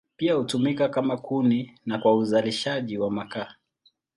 Pia hutumika kama kuni na kwa uzalishaji wa makaa.